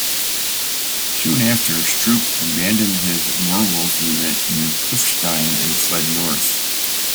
Soon after, Stroop abandoned his Werwolf unit near Kufstein and fled north.